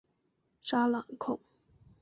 沙朗孔。